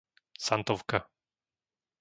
Santovka